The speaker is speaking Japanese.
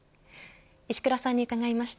石倉さんに伺いました。